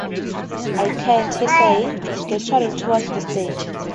"I can't," he says, gesturing toward the stage.